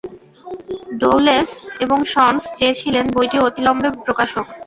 ডউলেস এবং সন্স চেয়েছিলেন বইটি অবিলম্বে প্রকাশ হোক।